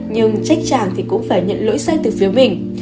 nhưng trách tràng thì cũng phải nhận lỗi sai từ phía mình